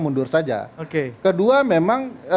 mundur saja oke kedua memang